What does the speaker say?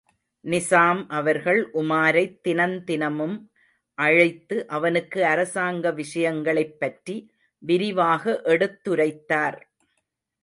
நிசாம் அவர்கள் உமாரைத் தினந் தினமும் அழைத்து அவனுக்கு அரசாங்க விஷயங்களைப் பற்றி விரிவாக எடுத்துரைத்தார்.